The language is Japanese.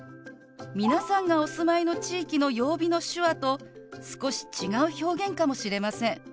皆さんがお住まいの地域の曜日の手話と少し違う表現かもしれません。